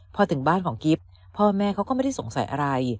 พอถึงบ้านของกิ๊บพ่อแม่เขาก็ไม่ได้สงสัยอะไร